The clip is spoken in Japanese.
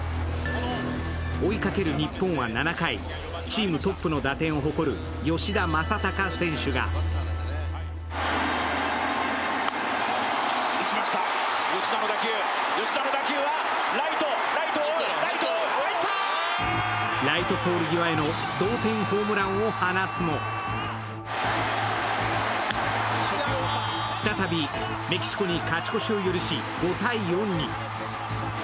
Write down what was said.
追いかける日本は７回、チームトップの打点を誇る吉田正尚選手がライトポール際への同点ホームランを放つも再びメキシコに勝ち越しを許し５−４に。